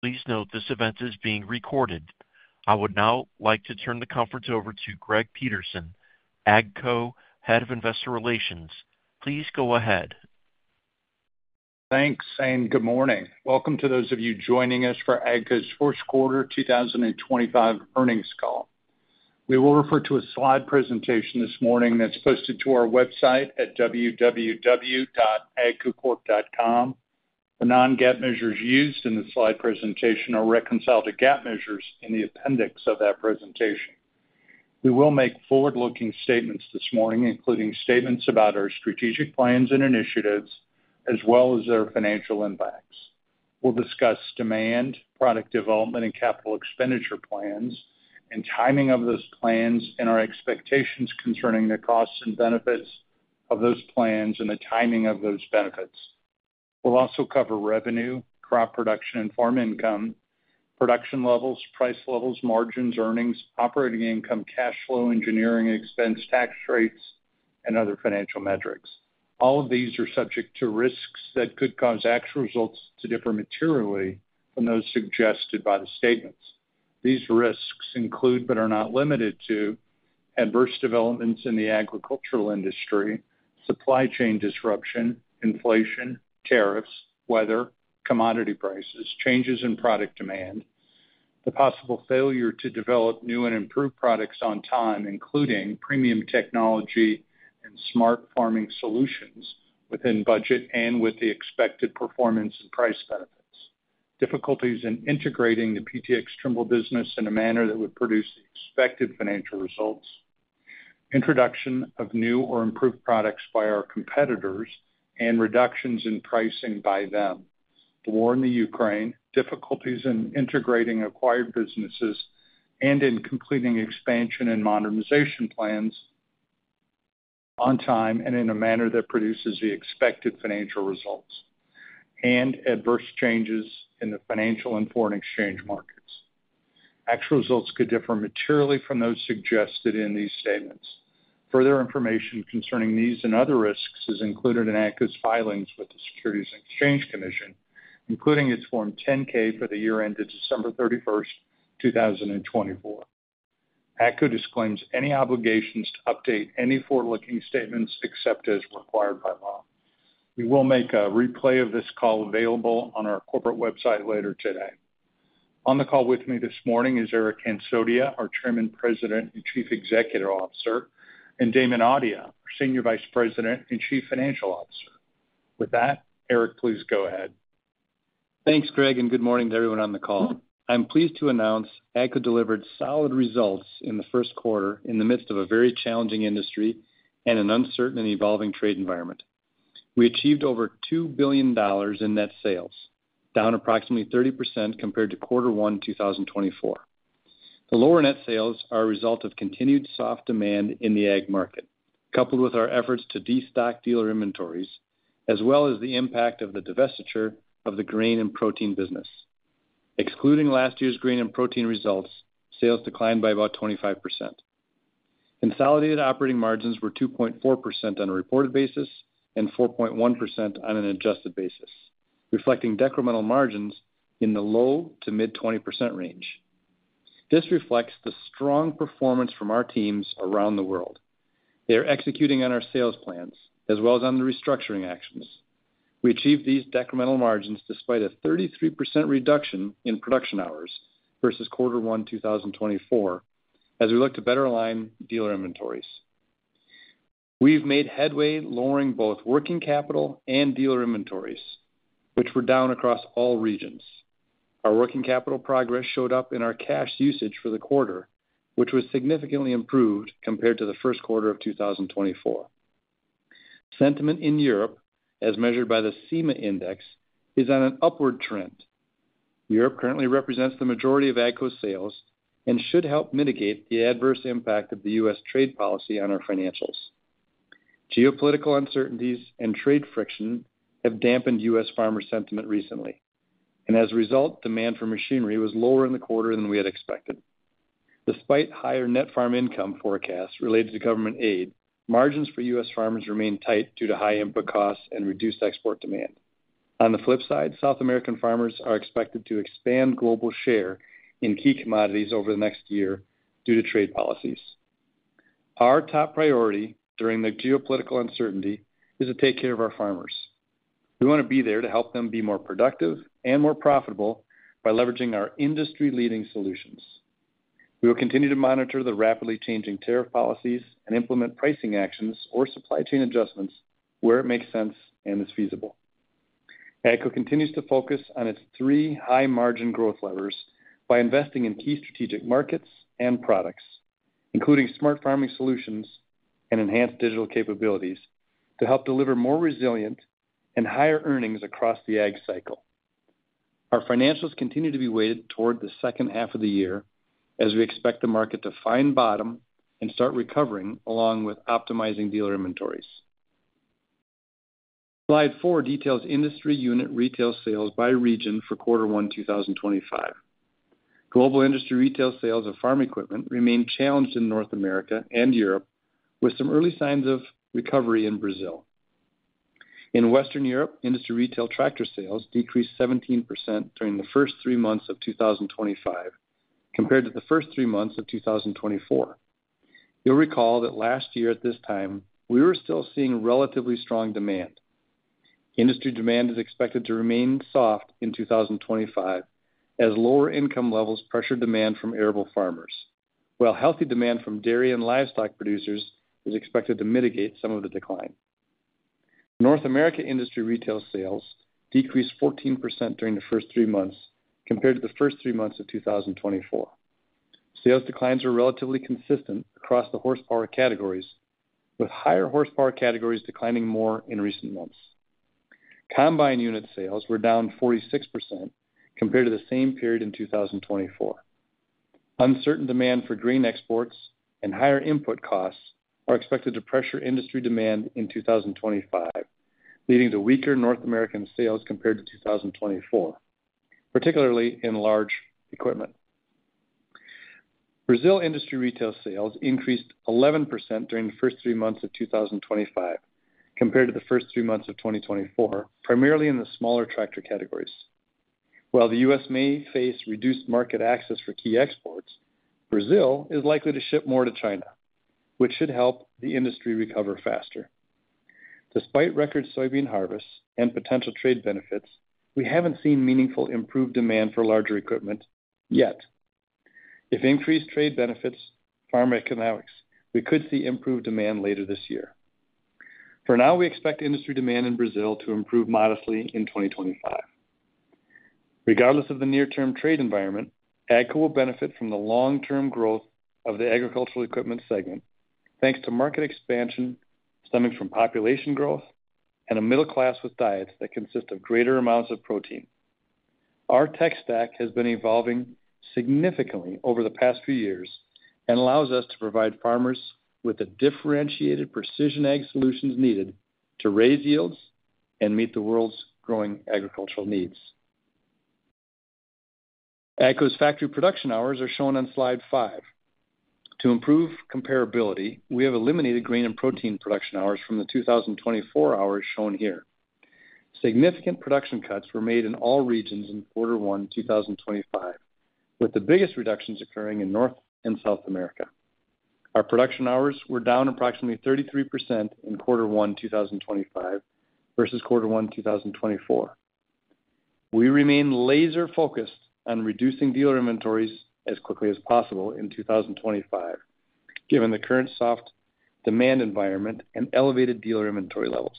Please note this event is being recorded. I would now like to turn the conference over to Greg Peterson, AGCO Head of Investor Relations. Please go ahead. Thanks, and good morning. Welcome to those of you joining us for AGCO's first quarter 2025 earnings call. We will refer to a slide presentation this morning that's posted to our website at www.agcocorp.com. The non-GAAP measures used in the slide presentation are reconciled to GAAP measures in the appendix of that presentation. We will make forward-looking statements this morning, including statements about our strategic plans and initiatives, as well as their financial impacts. We'll discuss demand, product development, and capital expenditure plans, and timing of those plans, and our expectations concerning the costs and benefits of those plans and the timing of those benefits. We'll also cover revenue, crop production, and farm income, production levels, price levels, margins, earnings, operating income, cash flow, engineering expense, tax rates, and other financial metrics. All of these are subject to risks that could cause actual results to differ materially from those suggested by the statements. These risks include, but are not limited to, adverse developments in the agricultural industry, supply chain disruption, inflation, tariffs, weather, commodity prices, changes in product demand, the possible failure to develop new and improved products on time, including premium technology and smart farming solutions within budget and with the expected performance and price benefits, difficulties in integrating the PTx Trimble business in a manner that would produce the expected financial results, introduction of new or improved products by our competitors, and reductions in pricing by them, the war in Ukraine, difficulties in integrating acquired businesses and in completing expansion and modernization plans on time and in a manner that produces the expected financial results, and adverse changes in the financial and foreign exchange markets. Actual results could differ materially from those suggested in these statements. Further information concerning these and other risks is included in AGCO's filings with the Securities and Exchange Commission, including its Form 10-K for the year ended December 31, 2024. AGCO disclaims any obligations to update any forward-looking statements except as required by law. We will make a replay of this call available on our corporate website later today. On the call with me this morning is Eric Hansotia, our Chairman, President, and Chief Executive Officer, and Damon Audia, our Senior Vice President and Chief Financial Officer. With that, Eric, please go ahead. Thanks, Greg, and good morning to everyone on the call. I'm pleased to announce AGCO delivered solid results in the first quarter in the midst of a very challenging industry and an uncertain and evolving trade environment. We achieved over $2 billion in net sales, down approximately 30% compared to quarter one 2024. The lower net sales are a result of continued soft demand in the AgMarket, coupled with our efforts to destock dealer inventories, as well as the impact of the divestiture of the Grain & Protein business. Excluding last year's Grain & Protein results, sales declined by about 25%. Consolidated operating margins were 2.4% on a reported basis and 4.1% on an adjusted basis, reflecting decremental margins in the low to mid-20% range. This reflects the strong performance from our teams around the world. They are executing on our sales plans as well as on the restructuring actions. We achieved these decremental margins despite a 33% reduction in production hours versus quarter one 2024, as we look to better align dealer inventories. We've made headway lowering both working capital and dealer inventories, which were down across all regions. Our working capital progress showed up in our cash usage for the quarter, which was significantly improved compared to the first quarter of 2024. Sentiment in Europe, as measured by the CEMA index, is on an upward trend. Europe currently represents the majority of AGCO's sales and should help mitigate the adverse impact of the U.S. trade policy on our financials. Geopolitical uncertainties and trade friction have dampened U.S. farmer sentiment recently, and as a result, demand for machinery was lower in the quarter than we had expected. Despite higher net farm income forecasts related to government aid, margins for U.S. farmers remain tight due to high input costs and reduced export demand. On the flip side, South American farmers are expected to expand global share in key commodities over the next year due to trade policies. Our top priority during the geopolitical uncertainty is to take care of our farmers. We want to be there to help them be more productive and more profitable by leveraging our industry-leading solutions. We will continue to monitor the rapidly changing tariff policies and implement pricing actions or supply chain adjustments where it makes sense and is feasible. AGCO continues to focus on its three high-margin growth levers by investing in key strategic markets and products, including smart farming solutions and enhanced digital capabilities to help deliver more resilient and higher earnings across the Ag cycle. Our financials continue to be weighted toward the second half of the year as we expect the market to find bottom and start recovering along with optimizing dealer inventories. Slide four details industry unit retail sales by region for quarter one 2025. Global industry retail sales of farm equipment remain challenged in North America and Europe, with some early signs of recovery in Brazil. In Western Europe, industry retail tractor sales decreased 17% during the first three months of 2025 compared to the first three months of 2024. You'll recall that last year at this time, we were still seeing relatively strong demand. Industry demand is expected to remain soft in 2025 as lower income levels pressure demand from arable farmers, while healthy demand from dairy and livestock producers is expected to mitigate some of the decline. North America industry retail sales decreased 14% during the first three months compared to the first three months of 2024. Sales declines are relatively consistent across the horsepower categories, with higher horsepower categories declining more in recent months. Combine unit sales were down 46% compared to the same period in 2024. Uncertain demand for grain exports and higher input costs are expected to pressure industry demand in 2025, leading to weaker North American sales compared to 2024, particularly in large equipment. Brazil industry retail sales increased 11% during the first three months of 2025 compared to the first three months of 2024, primarily in the smaller tractor categories. While the U.S. may face reduced market access for key exports, Brazil is likely to ship more to China, which should help the industry recover faster. Despite record soybean harvests and potential trade benefits, we haven't seen meaningful improved demand for larger equipment yet. If increased trade benefits farm economics, we could see improved demand later this year. For now, we expect industry demand in Brazil to improve modestly in 2025. Regardless of the near-term trade environment, AGCO will benefit from the long-term growth of the agricultural equipment segment, thanks to market expansion stemming from population growth and a middle class with diets that consist of greater amounts of protein. Our tech stack has been evolving significantly over the past few years and allows us to provide farmers with the differentiated Precision Ag solutions needed to raise yields and meet the world's growing agricultural needs. AGCO's factory production hours are shown on slide five. To improve comparability, we have eliminated grain and protein production hours from the 2024 hours shown here. Significant production cuts were made in all regions in quarter one 2025, with the biggest reductions occurring in North and South America. Our production hours were down approximately 33% in quarter one 2025 versus quarter one 2024. We remain laser-focused on reducing dealer inventories as quickly as possible in 2025, given the current soft demand environment and elevated dealer inventory levels.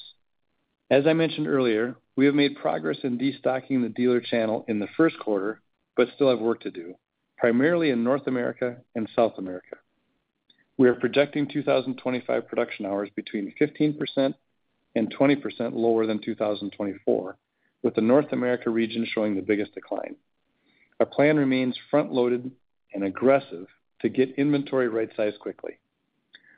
As I mentioned earlier, we have made progress in destocking the dealer channel in the first quarter, but still have work to do, primarily in North America and South America. We are projecting 2025 production hours between 15%-20% lower than 2024, with the North America region showing the biggest decline. Our plan remains front-loaded and aggressive to get inventory right size quickly.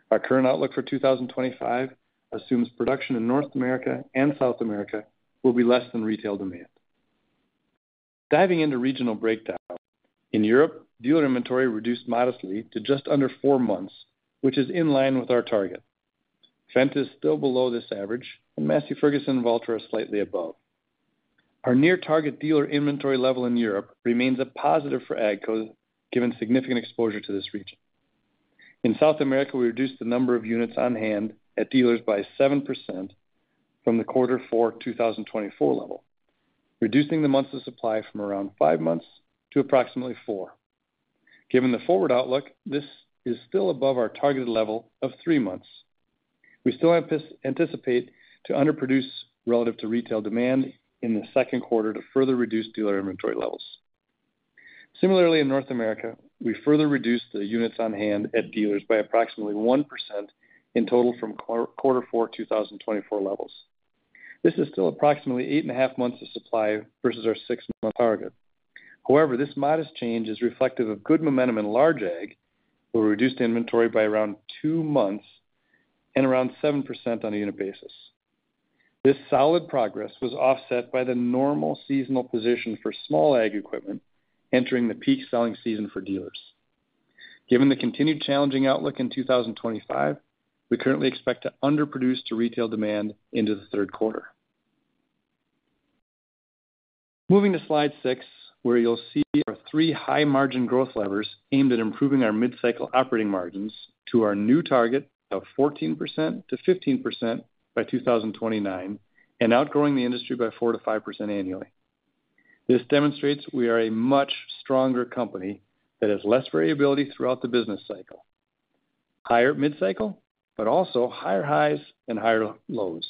Our current outlook for 2025 assumes production in North America and South America will be less than retail demand. Diving into regional breakdown, in Europe, dealer inventory reduced modestly to just under four months, which is in line with our target. Fendt is still below this average, and Massey Ferguson and Valtra are slightly above. Our near-target dealer inventory level in Europe remains a positive for AGCO, given significant exposure to this region. In South America, we reduced the number of units on hand at dealers by 7% from the quarter four 2024 level, reducing the months of supply from around five months to approximately four. Given the forward outlook, this is still above our targeted level of three months. We still anticipate to underproduce relative to retail demand in the second quarter to further reduce dealer inventory levels. Similarly, in North America, we further reduced the units on hand at dealers by approximately 1% in total from quarter four 2024 levels. This is still approximately eight and a half months of supply versus our six-month target. However, this modest change is reflective of good momentum in Large Ag, who reduced inventory by around two months and around 7% on a unit basis. This solid progress was offset by the normal seasonal position for Small Ag equipment entering the peak selling season for dealers. Given the continued challenging outlook in 2025, we currently expect to underproduce to retail demand into the third quarter. Moving to slide six, where you'll see our three high-margin growth levers aimed at improving our mid-cycle operating margins to our new target of 14%-15% by 2029 and outgrowing the industry by 4%-5% annually. This demonstrates we are a much stronger company that has less variability throughout the business cycle, higher mid-cycle, but also higher highs and higher lows.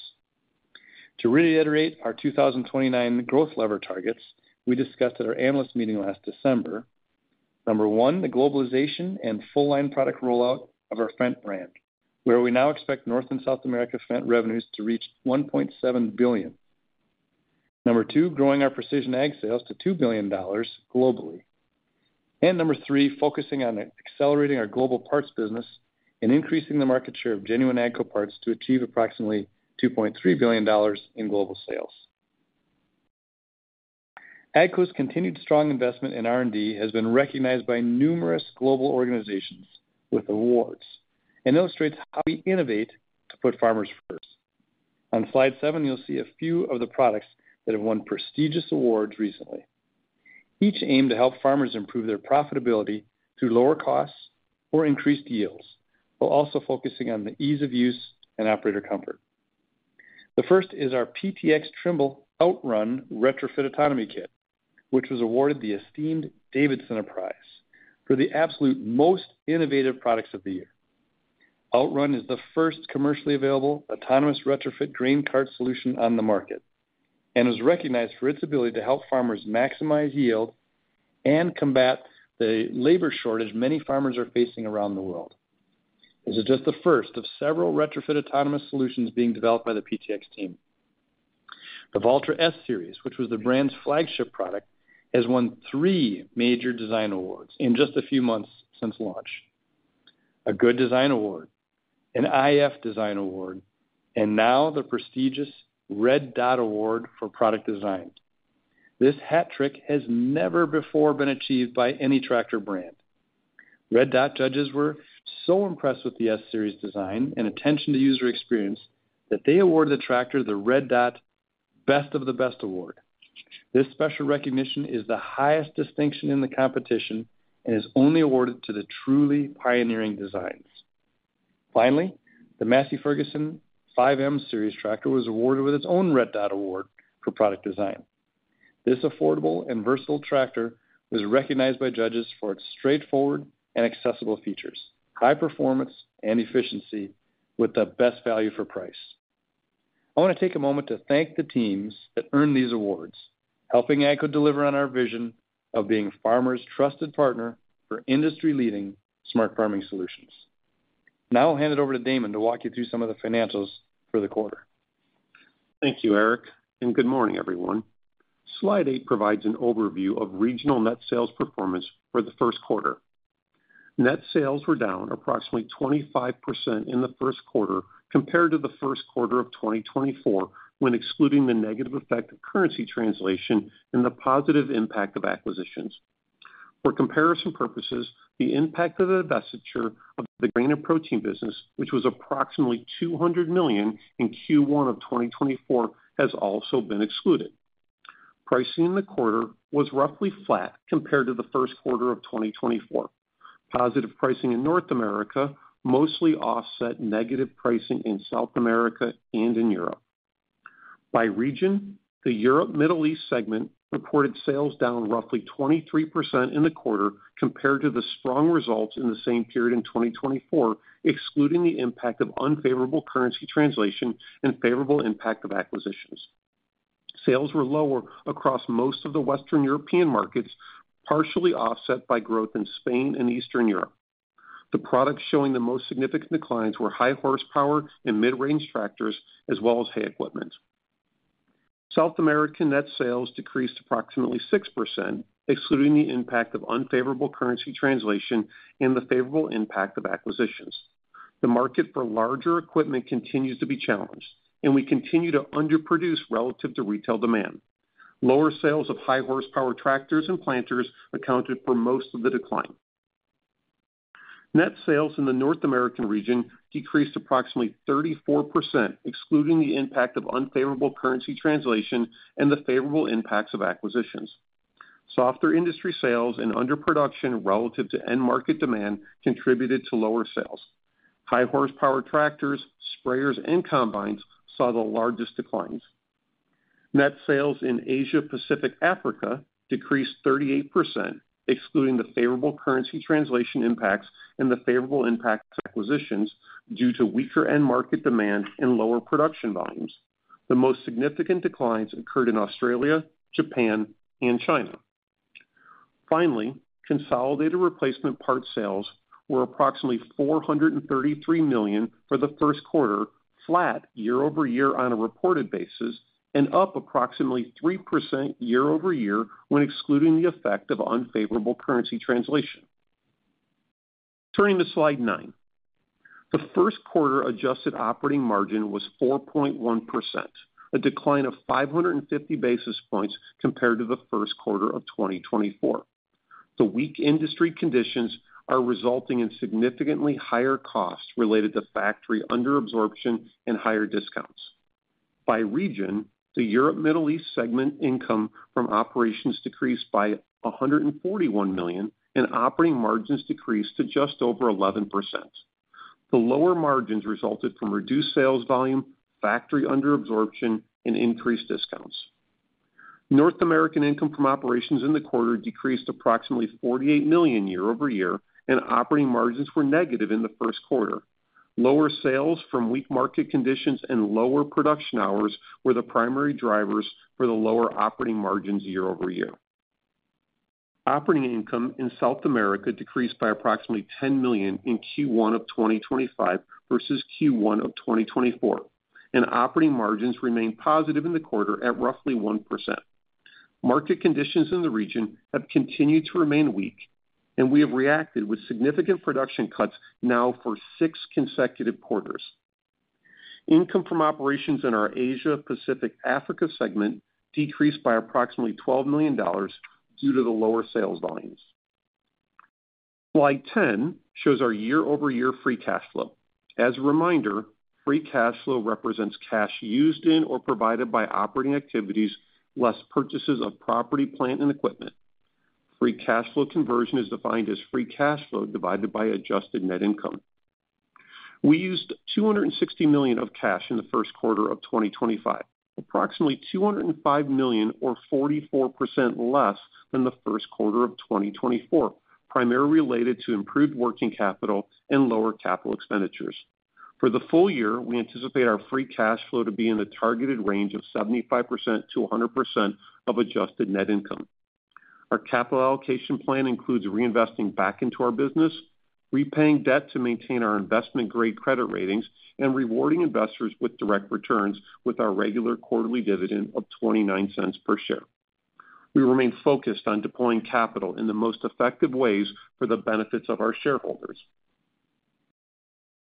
To reiterate our 2029 growth lever targets, we discussed at our analyst meeting last December. Number one, the globalization and full-line product rollout of our Fendt brand, where we now expect North and South America Fendt revenues to reach $1.7 billion. Number two, growing our Precision Ag sales to $2 billion globally. Number three, focusing on accelerating our global parts business and increasing the market share of genuine AGCO parts to achieve approximately $2.3 billion in global sales. AGCO's continued strong investment in R&D has been recognized by numerous global organizations with awards and illustrates how we innovate to put farmers first. On slide seven, you'll see a few of the products that have won prestigious awards recently, each aimed to help farmers improve their profitability through lower costs or increased yields, while also focusing on the ease of use and operator comfort. The first is our PTx Trimble Outrun Retrofit Autonomy Kit, which was awarded the esteemed Davidson Prize for the absolute most innovative products of the year. Outrun is the first commercially available autonomous retrofit grain cart solution on the market and is recognized for its ability to help farmers maximize yield and combat the labor shortage many farmers are facing around the world. This is just the first of several retrofit autonomous solutions being developed by the PTx team. The Valtra S Series, which was the brand's flagship product, has won three major design awards in just a few months since launch: a Good Design Award, an iF Design Award, and now the prestigious Red Dot Award for product design. This hat trick has never before been achieved by any tractor brand. Red Dot judges were so impressed with the S series design and attention to user experience that they awarded the tractor the Red Dot Best of the Best Award. This special recognition is the highest distinction in the competition and is only awarded to the truly pioneering designs. Finally, the Massey Ferguson 5M Series tractor was awarded with its own Red Dot Award for product design. This affordable and versatile tractor was recognized by judges for its straightforward and accessible features, high performance and efficiency, with the best value for price. I want to take a moment to thank the teams that earned these awards, helping AGCO deliver on our vision of being farmers' trusted partner for industry-leading smart farming solutions. Now I'll hand it over to Damon to walk you through some of the financials for the quarter. Thank you, Eric, and good morning, everyone. Slide eight provides an overview of regional net sales performance for the first quarter. Net sales were down approximately 25% in the first quarter compared to the first quarter of 2024, when excluding the negative effect of currency translation and the positive impact of acquisitions. For comparison purposes, the impact of the divestiture of the grain and protein business, which was approximately $200 million in Q1 of 2024, has also been excluded. Pricing in the quarter was roughly flat compared to the first quarter of 2024. Positive pricing in North America mostly offset negative pricing in South America and in Europe. By region, the Europe-Middle East segment reported sales down roughly 23% in the quarter compared to the strong results in the same period in 2024, excluding the impact of unfavorable currency translation and favorable impact of acquisitions. Sales were lower across most of the Western European markets, partially offset by growth in Spain and Eastern Europe. The products showing the most significant declines were high horsepower and mid-range tractors, as well as hay equipment. South American net sales decreased approximately 6%, excluding the impact of unfavorable currency translation and the favorable impact of acquisitions. The market for larger equipment continues to be challenged, and we continue to underproduce relative to retail demand. Lower sales of high horsepower tractors and planters accounted for most of the decline. Net sales in the North American region decreased approximately 34%, excluding the impact of unfavorable currency translation and the favorable impacts of acquisitions. Softer industry sales and underproduction relative to end market demand contributed to lower sales. High horsepower tractors, sprayers, and combines saw the largest declines. Net sales in Asia-Pacific Africa decreased 38%, excluding the favorable currency translation impacts and the favorable impact of acquisitions, due to weaker end market demand and lower production volumes. The most significant declines occurred in Australia, Japan, and China. Finally, consolidated replacement parts sales were approximately $433 million for the first quarter, flat year-over-year on a reported basis and up approximately 3% year-over-year when excluding the effect of unfavorable currency translation. Turning to slide nine, the first quarter adjusted operating margin was 4.1%, a decline of 550 basis points compared to the first quarter of 2024. The weak industry conditions are resulting in significantly higher costs related to factory underabsorption and higher discounts. By region, the Europe-Middle East segment income from operations decreased by $141 million, and operating margins decreased to just over 11%. The lower margins resulted from reduced sales volume, factory underabsorption, and increased discounts. North American income from operations in the quarter decreased approximately $48 million year-over-year, and operating margins were negative in the first quarter. Lower sales from weak market conditions and lower production hours were the primary drivers for the lower operating margins year-over-year. Operating income in South America decreased by approximately $10 million in Q1 of 2025 versus Q1 of 2024, and operating margins remained positive in the quarter at roughly 1%. Market conditions in the region have continued to remain weak, and we have reacted with significant production cuts now for six consecutive quarters. Income from operations in our Asia-Pacific Africa segment decreased by approximately $12 million due to the lower sales volumes. Slide 10 shows our year-over-year free cash flow. As a reminder, free cash flow represents cash used in or provided by operating activities less purchases of property, plant, and equipment. Free cash flow conversion is defined as free cash flow divided by adjusted net income. We used $260 million of cash in the first quarter of 2025, approximately $205 million or 44% less than the first quarter of 2024, primarily related to improved working capital and lower capital expenditures. For the full year, we anticipate our free cash flow to be in the targeted range of 75%-100% of adjusted net income. Our capital allocation plan includes reinvesting back into our business, repaying debt to maintain our investment-grade credit ratings, and rewarding investors with direct returns with our regular quarterly dividend of $0.29 per share. We remain focused on deploying capital in the most effective ways for the benefits of our shareholders.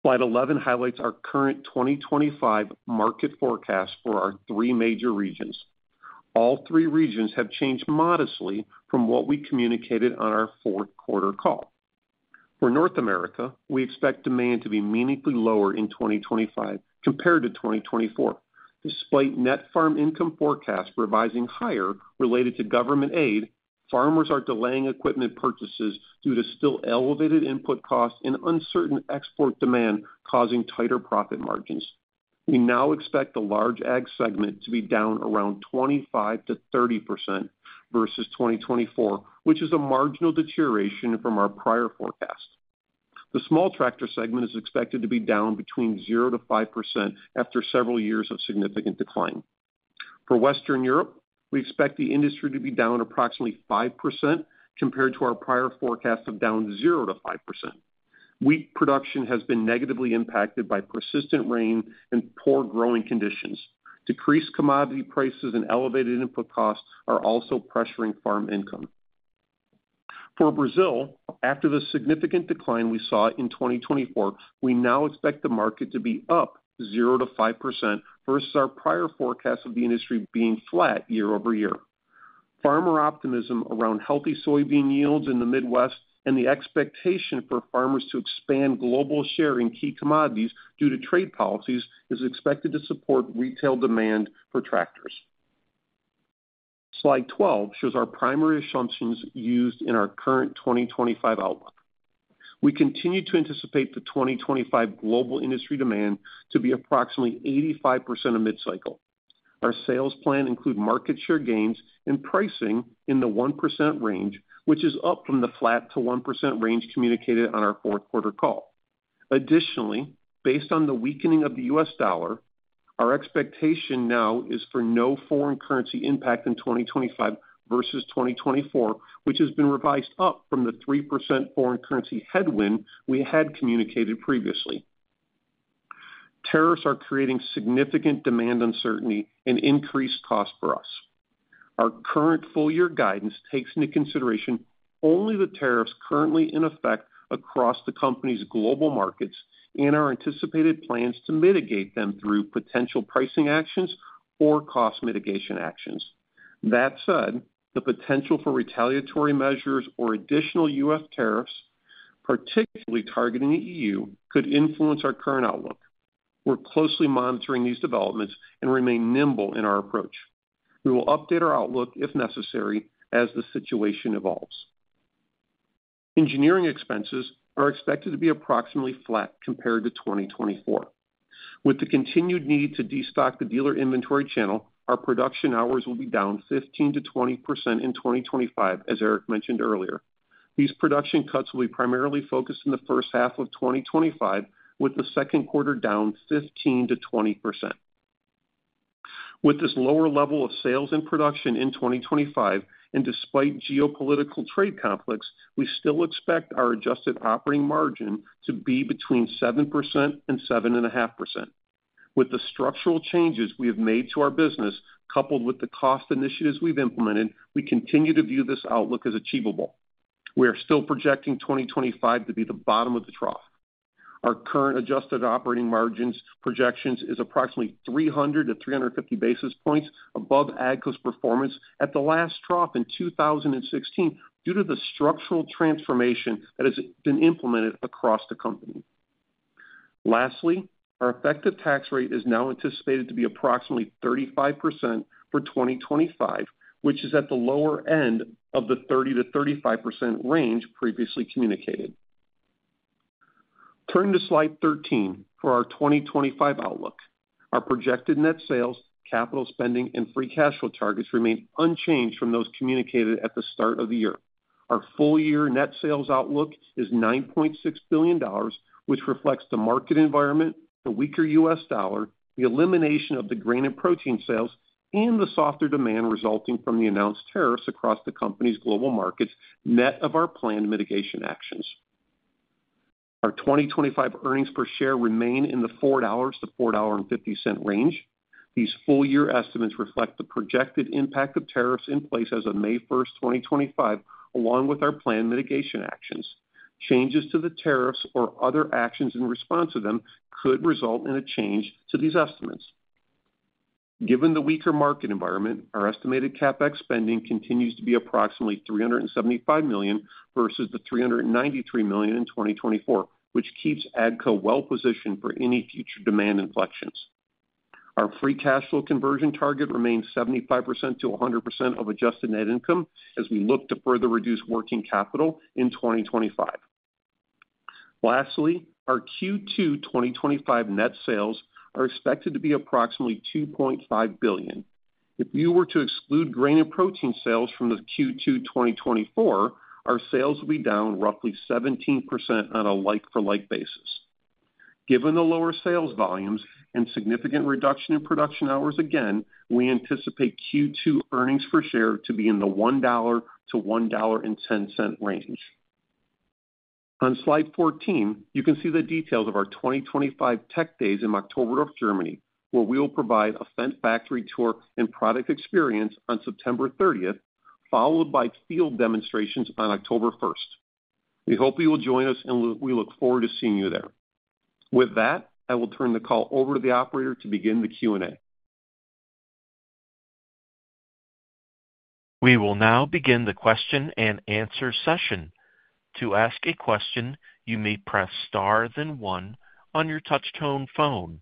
Slide 11 highlights our current 2025 market forecast for our three major regions. All three regions have changed modestly from what we communicated on our fourth quarter call. For North America, we expect demand to be meaningfully lower in 2025 compared to 2024. Despite net farm income forecasts revising higher related to government aid, farmers are delaying equipment purchases due to still elevated input costs and uncertain export demand causing tighter profit margins. We now expect the large AG segment to be down around 25%-30% versus 2024, which is a marginal deterioration from our prior forecast. The small tractor segment is expected to be down between 0%-5% after several years of significant decline. For Western Europe, we expect the industry to be down approximately 5% compared to our prior forecast of down 0%-5%. Wheat production has been negatively impacted by persistent rain and poor growing conditions. Decreased commodity prices and elevated input costs are also pressuring farm income. For Brazil, after the significant decline we saw in 2024, we now expect the market to be up 0%-5% versus our prior forecast of the industry being flat year-over-year. Farmer optimism around healthy soybean yields in the Midwest and the expectation for farmers to expand global share in key commodities due to trade policies is expected to support retail demand for tractors. Slide 12 shows our primary assumptions used in our current 2025 outlook. We continue to anticipate the 2025 global industry demand to be approximately 85% of mid-cycle. Our sales plan includes market share gains and pricing in the 1% range, which is up from the flat to 1% range communicated on our fourth quarter call. Additionally, based on the weakening of the US dollar, our expectation now is for no foreign currency impact in 2025 versus 2024, which has been revised up from the 3% foreign currency headwind we had communicated previously. Tariffs are creating significant demand uncertainty and increased costs for us. Our current full-year guidance takes into consideration only the tariffs currently in effect across the company's global markets and our anticipated plans to mitigate them through potential pricing actions or cost mitigation actions. That said, the potential for retaliatory measures or additional US tariffs, particularly targeting the EU, could influence our current outlook. We're closely monitoring these developments and remain nimble in our approach. We will update our outlook if necessary as the situation evolves. Engineering expenses are expected to be approximately flat compared to 2024. With the continued need to destock the dealer inventory channel, our production hours will be down 15%-20% in 2025, as Eric mentioned earlier. These production cuts will be primarily focused in the first half of 2025, with the second quarter down 15%-20%. With this lower level of sales and production in 2025, and despite geopolitical trade conflicts, we still expect our adjusted operating margin to be between 7% and 7.5%. With the structural changes we have made to our business, coupled with the cost initiatives we've implemented, we continue to view this outlook as achievable. We are still projecting 2025 to be the bottom of the trough. Our current adjusted operating margins projection is approximately 300-350 basis points above AGCO's performance at the last trough in 2016 due to the structural transformation that has been implemented across the company. Lastly, our effective tax rate is now anticipated to be approximately 35% for 2025, which is at the lower end of the 30%-35% range previously communicated. Turning to slide 13 for our 2025 outlook, our projected net sales, capital spending, and free cash flow targets remain unchanged from those communicated at the start of the year. Our full-year net sales outlook is $9.6 billion, which reflects the market environment, the weaker US dollar, the elimination of the grain and protein sales, and the softer demand resulting from the announced tariffs across the company's global markets net of our planned mitigation actions. Our 2025 earnings per share remain in the $4-$4.50 range. These full-year estimates reflect the projected impact of tariffs in place as of May 1, 2025, along with our planned mitigation actions. Changes to the tariffs or other actions in response to them could result in a change to these estimates. Given the weaker market environment, our estimated CapEx spending continues to be approximately $375 million versus the $393 million in 2024, which keeps AGCO well-positioned for any future demand inflections. Our free cash flow conversion target remains 75%-100% of adjusted net income as we look to further reduce working capital in 2025. Lastly, our Q2 2025 net sales are expected to be approximately $2.5 billion. If you were to exclude grain and protein sales from Q2 2024, our sales will be down roughly 17% on a like-for-like basis. Given the lower sales volumes and significant reduction in production hours again, we anticipate Q2 earnings per share to be in the $1-$1.10 range. On slide 14, you can see the details of our 2025 Tech Days in October of Germany, where we will provide a Fendt factory tour and product experience on September 30, followed by field demonstrations on October 1. We hope you will join us, and we look forward to seeing you there. With that, I will turn the call over to the operator to begin the Q&A. We will now begin the question and answer session. To ask a question, you may press star then one on your touch-tone phone.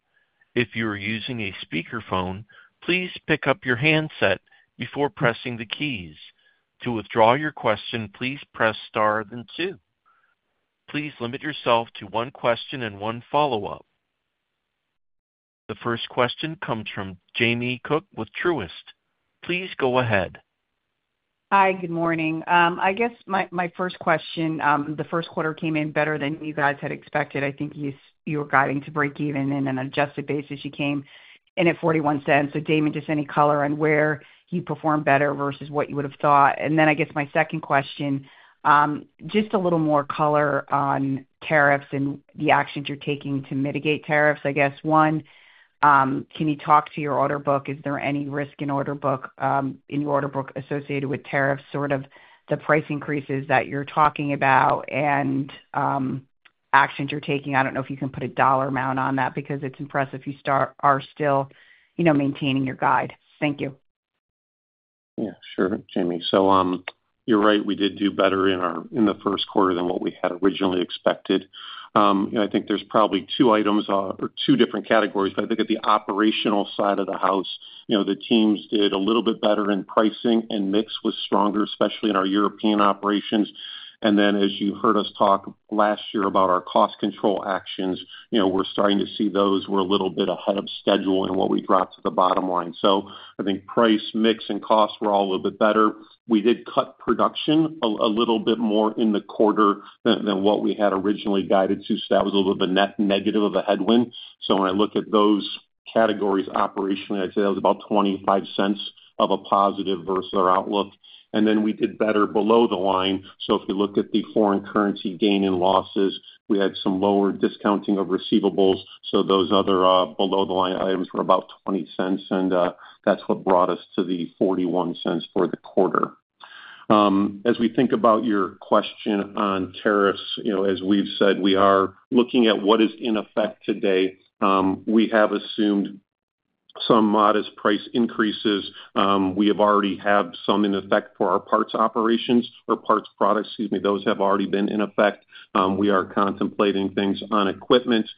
If you are using a speakerphone, please pick up your handset before pressing the keys. To withdraw your question, please press star then two. Please limit yourself to one question and one follow-up. The first question comes from Jamie Cook with Truist. Please go ahead. Hi, good morning. I guess my first question, the first quarter came in better than you guys had expected. I think you were guiding to break even and on an adjusted basis you came in at $0.41. So Damon, just any color on where you performed better versus what you would have thought? I guess my second question, just a little more color on tariffs and the actions you're taking to mitigate tariffs, I guess. One, can you talk to your order book? Is there any risk in your order book associated with tariffs, sort of the price increases that you're talking about and actions you're taking? I do not know if you can put a dollar amount on that because it is impressive you are still maintaining your guide. Thank you. Yeah, sure, Jamie. You're right, we did do better in the first quarter than what we had originally expected. I think there's probably two items or two different categories. I think at the operational side of the house, the teams did a little bit better in pricing, and mix was stronger, especially in our European operations. As you heard us talk last year about our cost control actions, we're starting to see those were a little bit ahead of schedule in what we dropped to the bottom line. I think price, mix, and cost were all a little bit better. We did cut production a little bit more in the quarter than what we had originally guided to, so that was a little bit of a net negative of a headwind. When I look at those categories operationally, I'd say that was about $0.25 of a positive versus our outlook. We did better below the line. If you look at the foreign currency gain and losses, we had some lower discounting of receivables. Those other below-the-line items were about $0.20, and that's what brought us to the $0.41 for the quarter. As we think about your question on tariffs, as we've said, we are looking at what is in effect today. We have assumed some modest price increases. We have already had some in effect for our parts operations or parts products, excuse me. Those have already been in effect. We are contemplating things on equipment.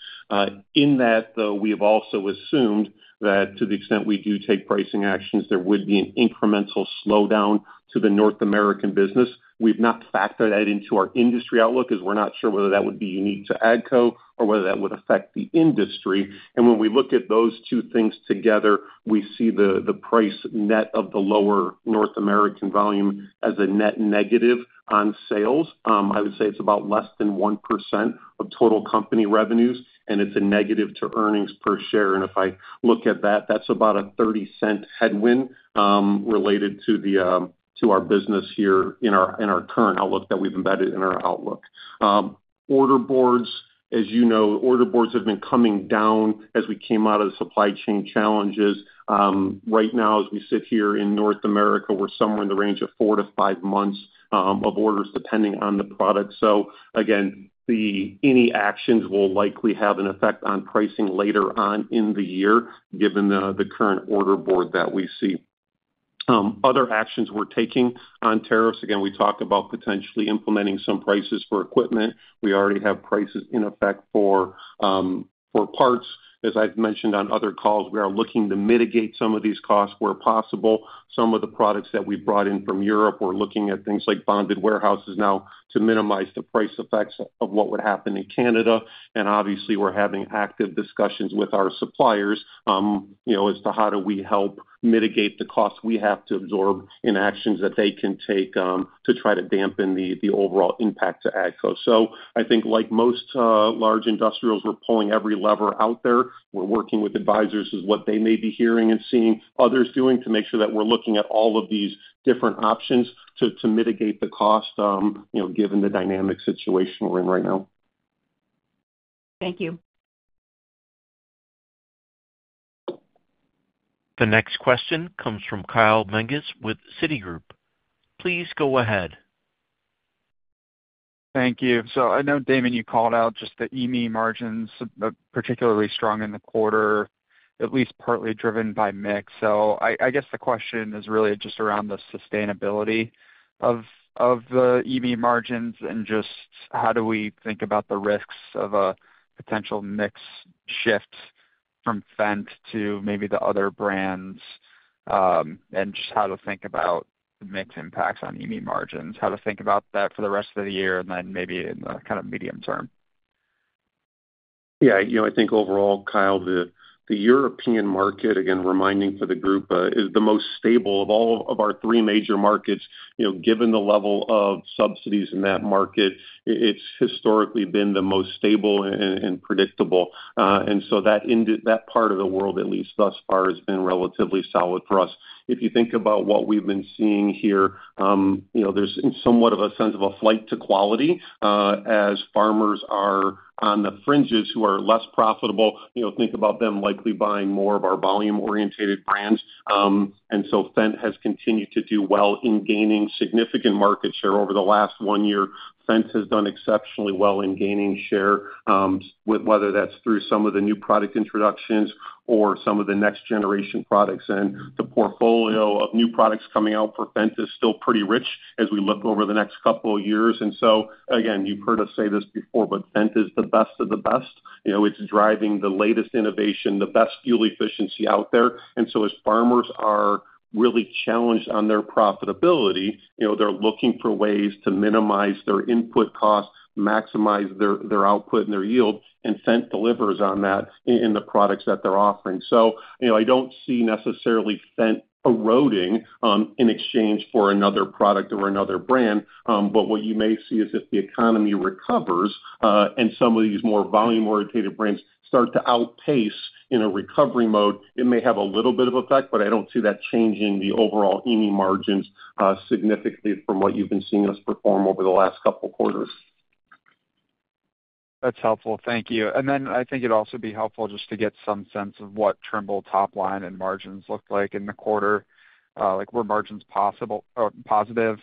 In that, though, we have also assumed that to the extent we do take pricing actions, there would be an incremental slowdown to the North American business. We've not factored that into our industry outlook as we're not sure whether that would be unique to AGCO or whether that would affect the industry. When we look at those two things together, we see the price net of the lower North American volume as a net negative on sales. I would say it's about less than 1% of total company revenues, and it's a negative to earnings per share. If I look at that, that's about a $0.30 headwind related to our business here in our current outlook that we've embedded in our outlook. Order boards, as you know, order boards have been coming down as we came out of the supply chain challenges. Right now, as we sit here in North America, we're somewhere in the range of four to five months of orders depending on the product. Again, any actions will likely have an effect on pricing later on in the year given the current order board that we see. Other actions we're taking on tariffs, again, we talked about potentially implementing some prices for equipment. We already have prices in effect for parts. As I've mentioned on other calls, we are looking to mitigate some of these costs where possible. Some of the products that we've brought in from Europe, we're looking at things like bonded warehouses now to minimize the price effects of what would happen in Canada. Obviously, we're having active discussions with our suppliers as to how do we help mitigate the costs we have to absorb in actions that they can take to try to dampen the overall impact to AGCO. I think, like most large industrials, we're pulling every lever out there. We're working with advisors as what they may be hearing and seeing others doing to make sure that we're looking at all of these different options to mitigate the cost given the dynamic situation we're in right now. Thank you. The next question comes from Kyle Menges with Citigroup. Please go ahead. Thank you. I know, Damon, you called out just the EME margins particularly strong in the quarter, at least partly driven by mix. I guess the question is really just around the sustainability of the EME margins and just how do we think about the risks of a potential mix shift from Fendt to maybe the other brands and just how to think about the mixed impacts on EME margins, how to think about that for the rest of the year and then maybe in the kind of medium term. Yeah, I think overall, Kyle, the European market, again, reminding for the group, is the most stable of all of our three major markets. Given the level of subsidies in that market, it's historically been the most stable and predictable. That part of the world, at least thus far, has been relatively solid for us. If you think about what we've been seeing here, there's somewhat of a sense of a flight to quality as farmers are on the fringes who are less profitable. Think about them likely buying more of our volume-orientated brands. Fendt has continued to do well in gaining significant market share over the last one year. Fendt has done exceptionally well in gaining share, whether that's through some of the new product introductions or some of the next-generation products. The portfolio of new products coming out for Fendt is still pretty rich as we look over the next couple of years. You have heard us say this before, but Fendt is the best of the best. It is driving the latest innovation, the best fuel efficiency out there. As farmers are really challenged on their profitability, they are looking for ways to minimize their input cost, maximize their output and their yield, and Fendt delivers on that in the products that they are offering. I do not see necessarily Fendt eroding in exchange for another product or another brand. What you may see is if the economy recovers and some of these more volume-orientated brands start to outpace in a recovery mode, it may have a little bit of effect, but I do not see that changing the overall EME margins significantly from what you have been seeing us perform over the last couple of quarters. That is helpful. Thank you. I think it would also be helpful just to get some sense of what Trimble top line and margins look like in the quarter, like where margins are possible or positive.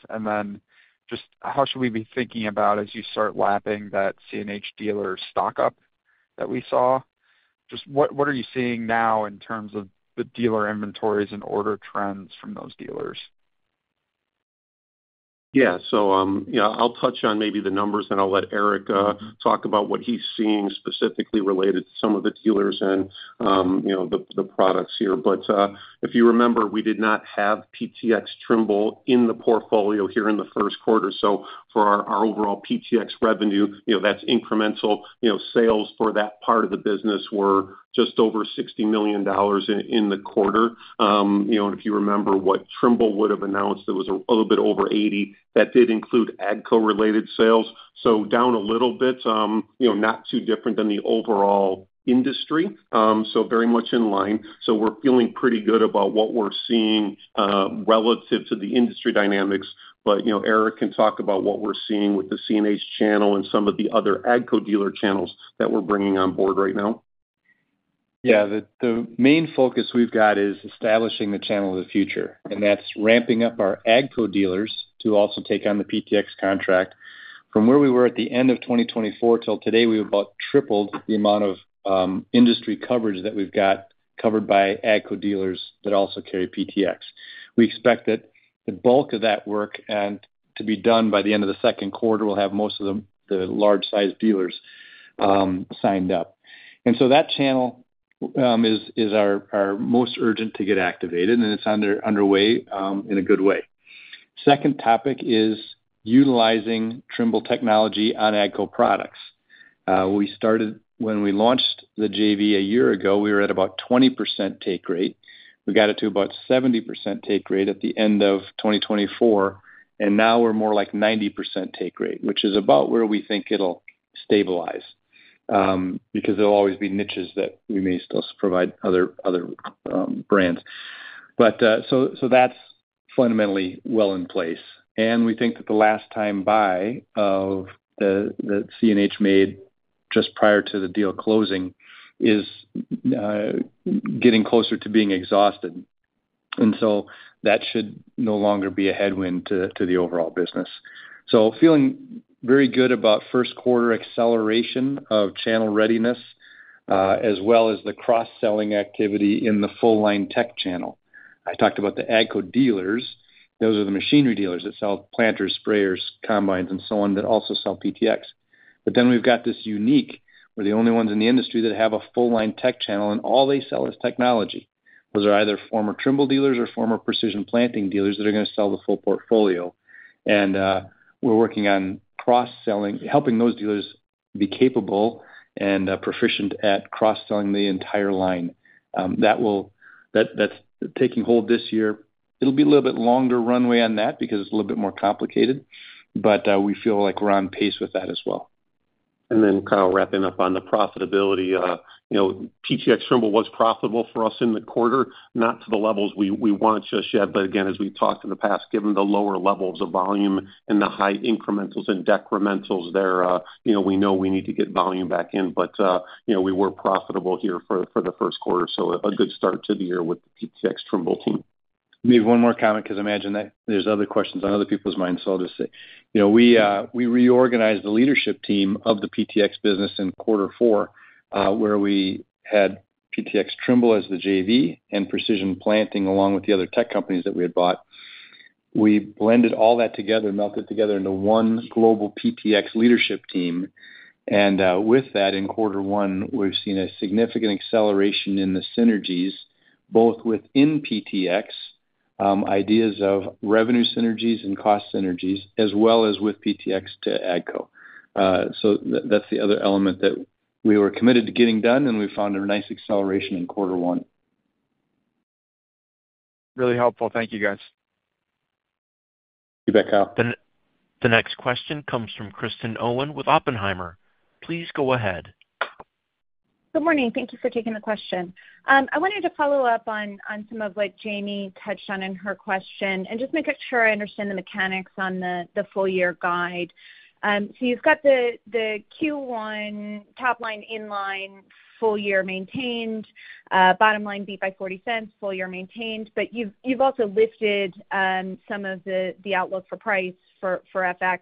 Just how should we be thinking about as you start lapping that CNH dealer stock up that we saw? What are you seeing now in terms of the dealer inventories and order trends from those dealers? Yeah. I'll touch on maybe the numbers, and I'll let Eric talk about what he's seeing specifically related to some of the dealers and the products here. If you remember, we did not have PTx Trimble in the portfolio here in the first quarter. For our overall PTx revenue, that's incremental. Sales for that part of the business were just over $60 million in the quarter. If you remember what Trimble would have announced, it was a little bit over $80 million. That did include AGCO-related sales. Down a little bit, not too different than the overall industry. Very much in line. We're feeling pretty good about what we're seeing relative to the industry dynamics. Eric can talk about what we're seeing with the CNH channel and some of the other AGCO dealer channels that we're bringing on board right now. Yeah. The main focus we've got is establishing the channel of the future. That's ramping up our AGCO dealers to also take on the PTx contract. From where we were at the end of 2024 till today, we've about tripled the amount of industry coverage that we've got covered by AGCO dealers that also carry PTx. We expect that the bulk of that work to be done by the end of the second quarter, we'll have most of the large-sized dealers signed up. That channel is our most urgent to get activated, and it's underway in a good way. Second topic is utilizing Trimble technology on AGCO products. When we launched the JV a year ago, we were at about 20% take rate. We got it to about 70% take rate at the end of 2024. Now we're more like 90% take rate, which is about where we think it'll stabilize because there'll always be niches that we may still provide other brands. That's fundamentally well in place. We think that the last time buy of the CNH made just prior to the deal closing is getting closer to being exhausted. That should no longer be a headwind to the overall business. Feeling very good about first quarter acceleration of channel readiness as well as the cross-selling activity in the full-line tech channel. I talked about the AGCO dealers. Those are the machinery dealers that sell planters, sprayers, combines, and so on that also sell PTx. Then we've got this unique. We're the only ones in the industry that have a full-line tech channel, and all they sell is technology. Those are either former Trimble dealers or former Precision Planting dealers that are going to sell the full portfolio. We are working on helping those dealers be capable and proficient at cross-selling the entire line. That is taking hold this year. It will be a little bit longer runway on that because it is a little bit more complicated. We feel like we are on pace with that as well. Kyle, wrapping up on the profitability, PTx Trimble was profitable for us in the quarter, not to the levels we wanted to shed. As we have talked in the past, given the lower levels of volume and the high incrementals and decrementals there, we know we need to get volume back in. We were profitable here for the first quarter. A good start to the year with the PTx Trimble team. Maybe one more comment because I imagine there's other questions on other people's minds. I'll just say we reorganized the leadership team of the PTx business in quarter four, where we had PTx Trimble as the JV and Precision Planting along with the other tech companies that we had bought. We blended all that together, melted together into one global PTx leadership team. With that, in quarter one, we've seen a significant acceleration in the synergies, both within PTx, ideas of revenue synergies and cost synergies, as well as with PTx to AGCO. That's the other element that we were committed to getting done, and we found a nice acceleration in quarter one. Really helpful. Thank you, guys. You bet, Kyle. The next question comes from Kristen Owen with Oppenheimer. Please go ahead. Good morning. Thank you for taking the question. I wanted to follow up on some of what Jamie touched on in her question and just make sure I understand the mechanics on the full-year guide. You have the Q1 top line in line, full year maintained, bottom line beat by $0.40, full year maintained. You have also lifted some of the outlook for price for FX.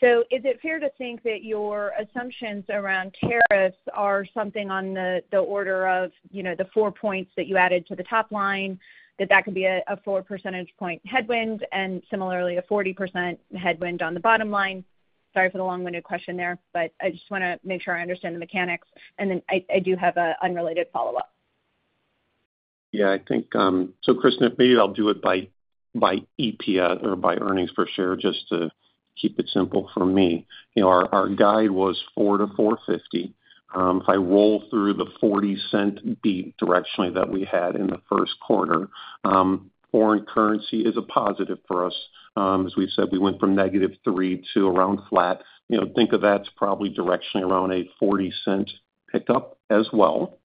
Is it fair to think that your assumptions around tariffs are something on the order of the four points that you added to the top line, that that could be a 4 percentage point headwind and similarly a 40% headwind on the bottom line? Sorry for the long-winded question there, but I just want to make sure I understand the mechanics. I do have an unrelated follow-up. Yeah. Kristen, maybe I'll do it by EPS or by earnings per share just to keep it simple for me. Our guide was $4 to $4.50. If I roll through the $0.40 beat directionally that we had in the first quarter, foreign currency is a positive for us. As we've said, we went from negative 3 to around flat. Think of that's probably directionally around a $0.40 pickup as well.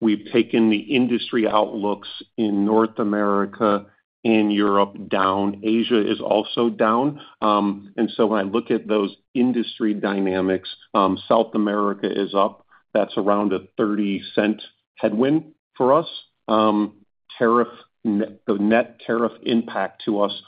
We've taken the industry outlooks in North America and Europe down. Asia is also down. When I look at those industry dynamics, South America is up. That's around a $0.30 headwind for us. The net tariff impact to us.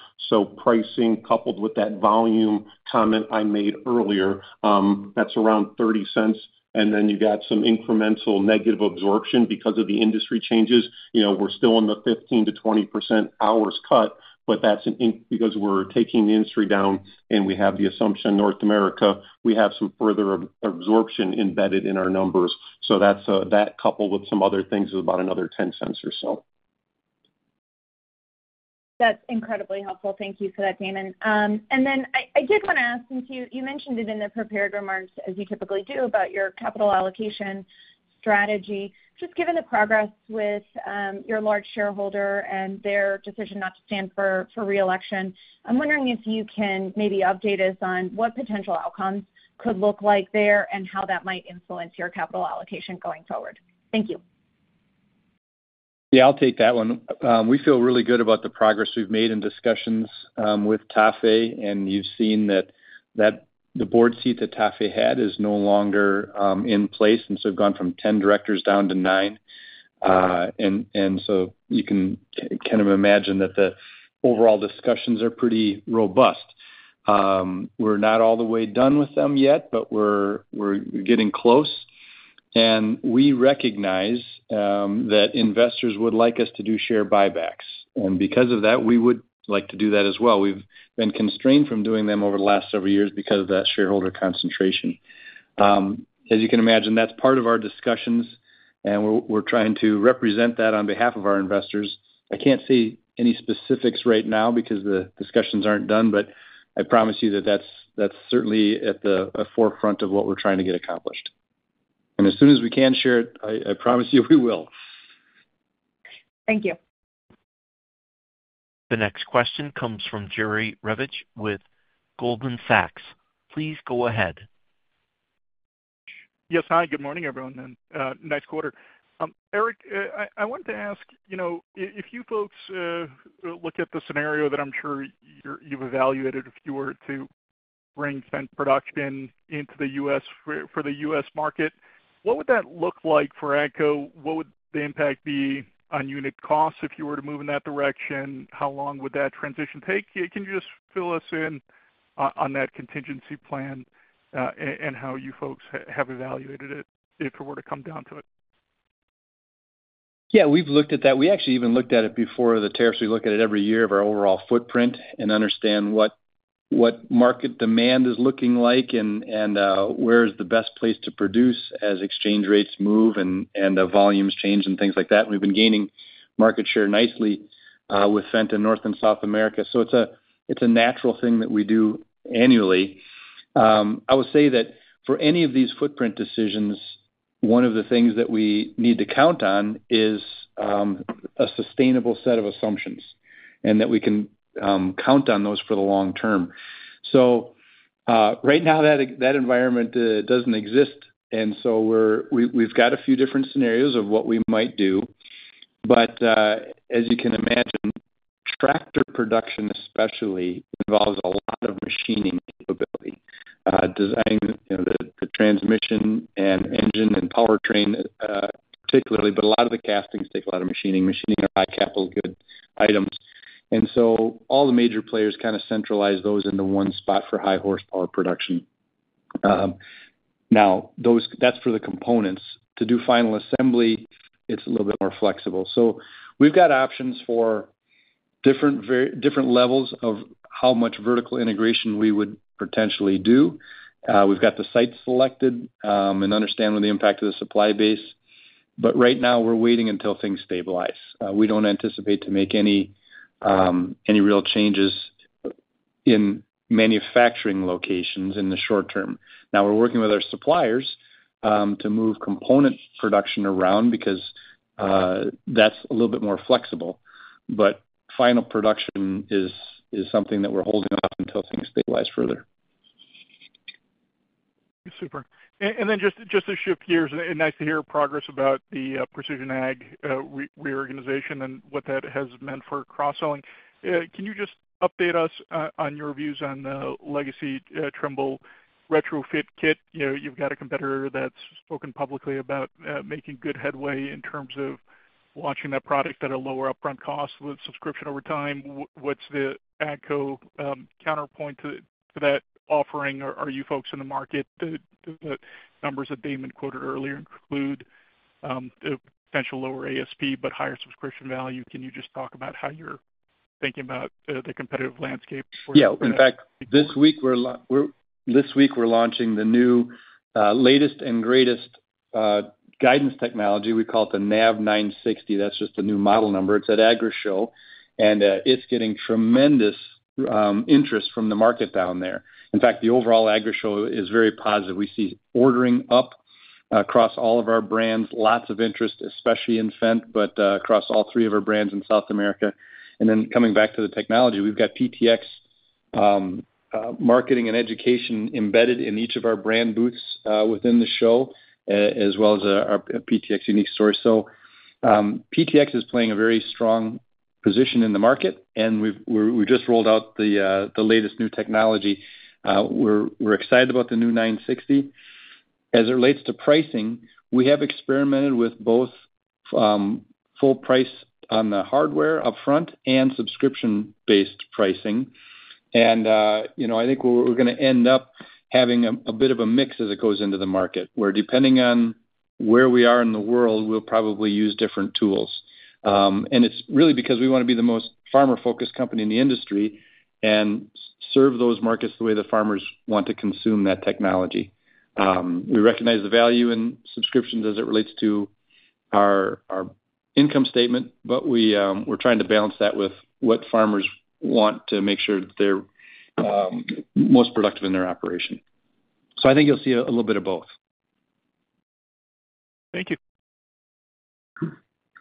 Pricing coupled with that volume comment I made earlier, that's around $0.30. Then you got some incremental negative absorption because of the industry changes. We're still in the 15-20% hours cut, but that's because we're taking the industry down and we have the assumption in North America we have some further absorption embedded in our numbers. That coupled with some other things is about another 10 cents or so. That's incredibly helpful. Thank you for that, Damon. I did want to ask, since you mentioned it in the prepared remarks, as you typically do, about your capital allocation strategy. Just given the progress with your large shareholder and their decision not to stand for reelection, I'm wondering if you can maybe update us on what potential outcomes could look like there and how that might influence your capital allocation going forward. Thank you. Yeah, I'll take that one. We feel really good about the progress we've made in discussions with TAFE. You have seen that the board seat that TAFE had is no longer in place. We have gone from 10 directors down to 9. You can kind of imagine that the overall discussions are pretty robust. We are not all the way done with them yet, but we are getting close. We recognize that investors would like us to do share buybacks. Because of that, we would like to do that as well. We have been constrained from doing them over the last several years because of that shareholder concentration. As you can imagine, that is part of our discussions. We are trying to represent that on behalf of our investors. I cannot say any specifics right now because the discussions are not done. I promise you that is certainly at the forefront of what we are trying to get accomplished. As soon as we can share it, I promise you we will. Thank you. The next question comes from Jerry Revich with Goldman Sachs. Please go ahead. Yes. Hi. Good morning, everyone. Nice quarter. Eric, I wanted to ask, if you folks look at the scenario that I'm sure you've evaluated if you were to bring Fendt production into the U.S. for the U.S. market, what would that look like for AGCO? What would the impact be on unit costs if you were to move in that direction? How long would that transition take? Can you just fill us in on that contingency plan and how you folks have evaluated it if it were to come down to it? Yeah. We've looked at that. We actually even looked at it before the tariffs. We look at it every year of our overall footprint and understand what market demand is looking like and where is the best place to produce as exchange rates move and volumes change and things like that. We have been gaining market share nicely with Fendt in North and South America. It is a natural thing that we do annually. I would say that for any of these footprint decisions, one of the things that we need to count on is a sustainable set of assumptions and that we can count on those for the long term. Right now, that environment does not exist. We have a few different scenarios of what we might do. As you can imagine, tractor production especially involves a lot of machining capability, designing the transmission and engine and powertrain particularly. A lot of the castings take a lot of machining. Machining are high-capital good items. All the major players kind of centralize those into one spot for high-horsepower production. That is for the components. To do final assembly, it is a little bit more flexible. We have options for different levels of how much vertical integration we would potentially do. We have the site selected and understanding the impact of the supply base. Right now, we are waiting until things stabilize. We do not anticipate to make any real changes in manufacturing locations in the short term. We are working with our suppliers to move component production around because that is a little bit more flexible. Final production is something that we are holding off until things stabilize further. Super. Just to shift gears, nice to hear progress about the Precision Ag reorganization and what that has meant for cross-selling. Can you just update us on your views on the legacy Trimble retrofit kit? You've got a competitor that's spoken publicly about making good headway in terms of launching that product at a lower upfront cost with subscription over time. What's the AGCO counterpoint to that offering? Are you folks in the market? Do the numbers that Damon quoted earlier include potential lower ASP but higher subscription value? Can you just talk about how you're thinking about the competitive landscape? Yeah. In fact, this week, we're launching the new, latest, and greatest guidance technology. We call it the NAV-960. That's just the new model number. It's at Agrishow. And it's getting tremendous interest from the market down there. In fact, the overall Agrishow is very positive. We see ordering up across all of our brands, lots of interest, especially in Fendt, but across all three of our brands in South America. Coming back to the technology, we've got PTx marketing and education embedded in each of our brand booths within the show, as well as our PTx unique story. PTx is playing a very strong position in the market. We just rolled out the latest new technology. We're excited about the new 960. As it relates to pricing, we have experimented with both full price on the hardware upfront and subscription-based pricing. I think we're going to end up having a bit of a mix as it goes into the market, where depending on where we are in the world, we'll probably use different tools. It is really because we want to be the most farmer-focused company in the industry and serve those markets the way the farmers want to consume that technology. We recognize the value in subscriptions as it relates to our income statement, but we are trying to balance that with what farmers want to make sure that they are most productive in their operation. I think you will see a little bit of both. Thank you.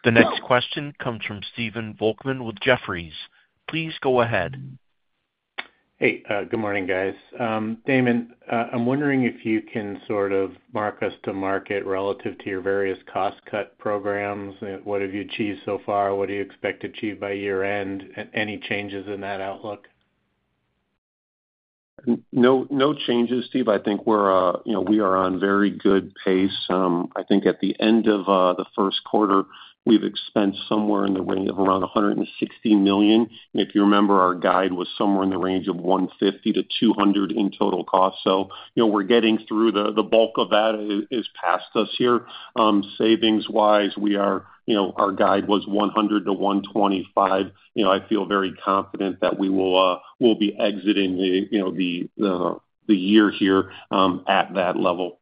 The next question comes from Stephen Volkmann with Jefferies. Please go ahead. Hey. Good morning, guys. Damon, I am wondering if you can sort of mark us to market relative to your various cost-cut programs. What have you achieved so far? What do you expect to achieve by year-end? Any changes in that outlook? No changes, Steve. I think we are on very good pace. I think at the end of the first quarter, we've expensed somewhere in the range of around $160 million. And if you remember, our guide was somewhere in the range of $150 million-$200 million in total cost. So we're getting through the bulk of that is past us here. Savings-wise, our guide was $100 million-$125 million. I feel very confident that we will be exiting the year here at that level.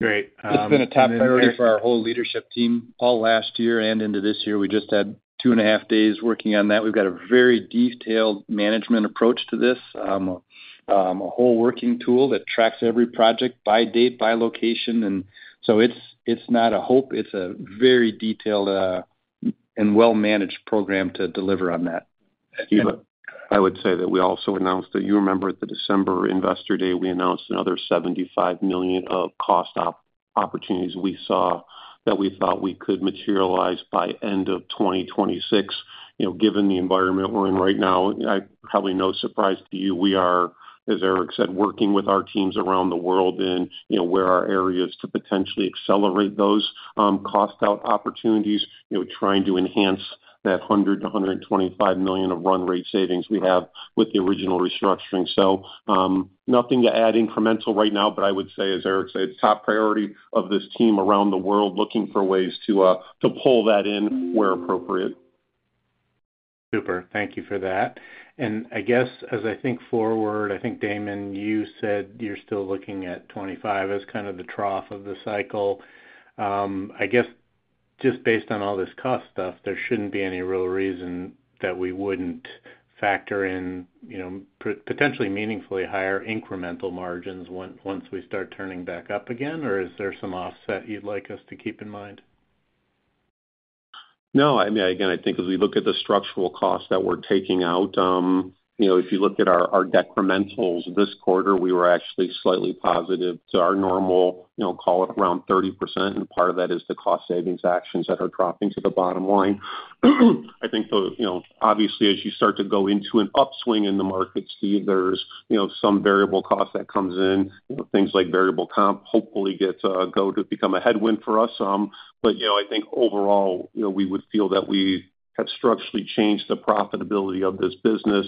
Great. It's been a top priority for our whole leadership team. All last year and into this year, we just had two and a half days working on that. We've got a very detailed management approach to this, a whole working tool that tracks every project by date, by location. It's not a hope. It's a very detailed and well-managed program to deliver on that. I would say that we also announced that you remember at the December Investor Day, we announced another $75 million of cost opportunities we saw that we thought we could materialize by end of 2026. Given the environment we're in right now, probably no surprise to you, we are, as Eric said, working with our teams around the world in where our areas to potentially accelerate those cost-out opportunities, trying to enhance that $100-$125 million of run rate savings we have with the original restructuring. Nothing to add incremental right now, but I would say, as Eric said, it's top priority of this team around the world looking for ways to pull that in where appropriate. Super. Thank you for that. I guess as I think forward, I think, Damon, you said you're still looking at 2025 as kind of the trough of the cycle. I guess just based on all this cost stuff, there should not be any real reason that we would not factor in potentially meaningfully higher incremental margins once we start turning back up again, or is there some offset you would like us to keep in mind? No. I mean, again, I think as we look at the structural costs that we are taking out, if you look at our decrementals this quarter, we were actually slightly positive to our normal, call it around 30%. And part of that is the cost-savings actions that are dropping to the bottom line. I think, obviously, as you start to go into an upswing in the market, Steve, there is some variable cost that comes in. Things like variable comp hopefully get to go to become a headwind for us. I think overall, we would feel that we have structurally changed the profitability of this business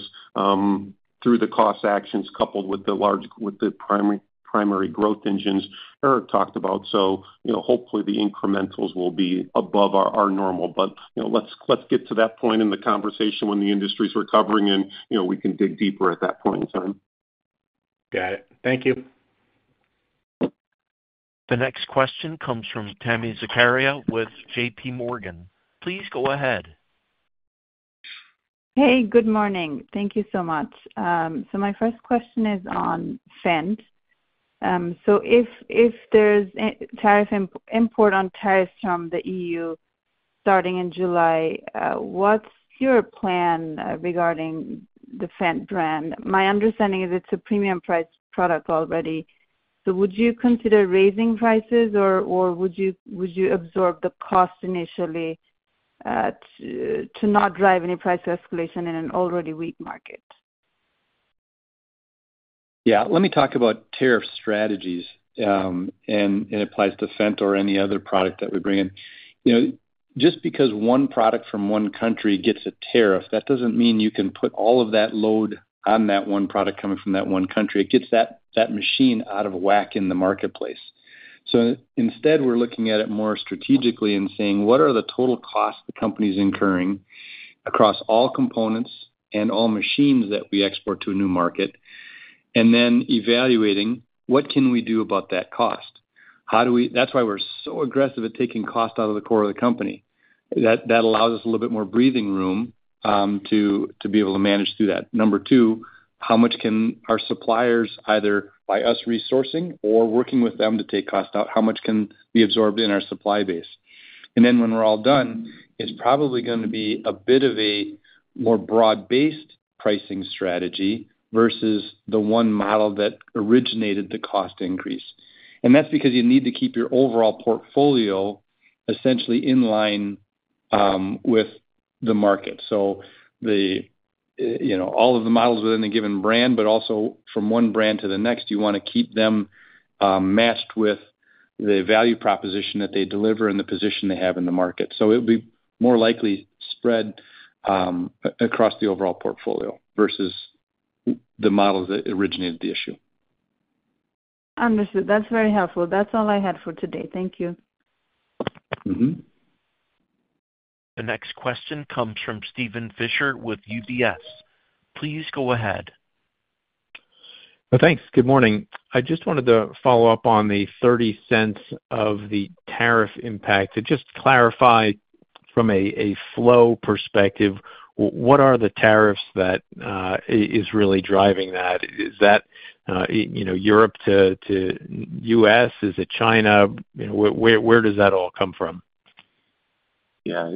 through the cost actions coupled with the primary growth engines Eric talked about. Hopefully, the incrementals will be above our normal. Let's get to that point in the conversation when the industry's recovering, and we can dig deeper at that point in time. Got it. Thank you. The next question comes from Tami Zakaria with JPMorgan. Please go ahead. Hey. Good morning. Thank you so much. My first question is on Fendt. If there's import on tariffs from the EU starting in July, what's your plan regarding the Fendt brand? My understanding is it's a premium-priced product already. Would you consider raising prices, or would you absorb the cost initially to not drive any price escalation in an already weak market? Yeah. Let me talk about tariff strategies. It applies to Fendt or any other product that we bring in. Just because one product from one country gets a tariff, that does not mean you can put all of that load on that one product coming from that one country. It gets that machine out of whack in the marketplace. Instead, we are looking at it more strategically and saying, "What are the total costs the company is incurring across all components and all machines that we export to a new market?" Then evaluating, "What can we do about that cost?" That is why we are so aggressive at taking cost out of the core of the company. That allows us a little bit more breathing room to be able to manage through that. Number two, how much can our suppliers, either by us resourcing or working with them to take cost out, how much can we absorb in our supply base? When we're all done, it's probably going to be a bit of a more broad-based pricing strategy versus the one model that originated the cost increase. That is because you need to keep your overall portfolio essentially in line with the market. All of the models within a given brand, but also from one brand to the next, you want to keep them matched with the value proposition that they deliver and the position they have in the market. It would be more likely spread across the overall portfolio versus the models that originated the issue. That's very helpful. That's all I had for today. Thank you. The next question comes from Steven Fisher with UBS. Please go ahead. Thanks. Good morning. I just wanted to follow up on the $0.30 of the tariff impact. Just clarify from a flow perspective, what are the tariffs that is really driving that? Is that Europe to U.S.? Is it China? Where does that all come from? Yeah.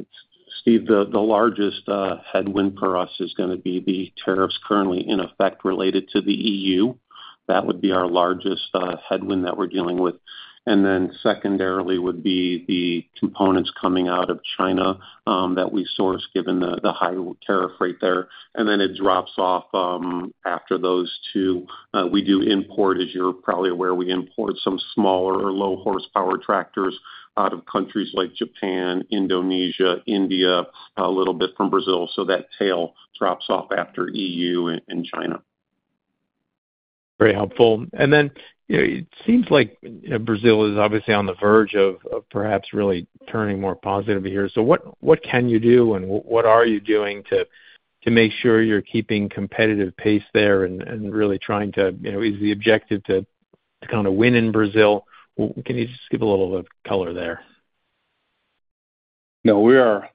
Steve, the largest headwind for us is going to be the tariffs currently in effect related to the EU. That would be our largest headwind that we're dealing with. Secondarily would be the components coming out of China that we source given the high tariff rate there. It drops off after those two. We do import, as you're probably aware, we import some smaller or low-horsepower tractors out of countries like Japan, Indonesia, India, a little bit from Brazil. That tail drops off after EU and China. Very helpful. It seems like Brazil is obviously on the verge of perhaps really turning more positive here. What can you do, and what are you doing to make sure you're keeping competitive pace there and really trying to, is the objective to kind of win in Brazil? Can you just give a little bit of color there? No, we are